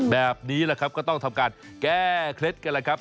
แบบนี้ก็ต้องทำการแก้เคล็ดกัน